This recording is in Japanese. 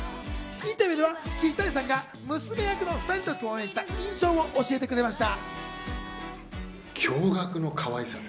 インタビューでは岸谷さんが娘役の２人と共演した印象を教えてくれました。